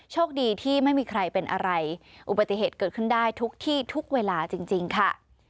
โชคดีที่ไม่มีใครเป็นอะไรอุบัติเหตุเกิดขึ้นได้ทุกที่ทุกเวลาจริงค่ะ